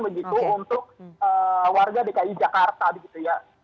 untuk warga bki jakarta gitu ya